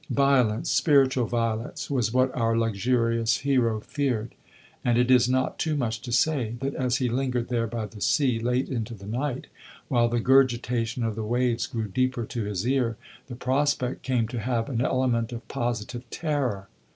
Violence spiritual violence was what our luxurious hero feared; and it is not too much to say that as he lingered there by the sea, late into the night, while the gurgitation of the waves grew deeper to his ear, the prospect came to have an element of positive terror.